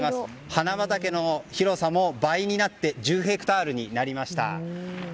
花畑の広さも倍になって１０ヘクタールになりました。